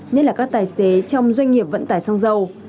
nhất là các tài xế trong doanh nghiệp vận tải xăng dầu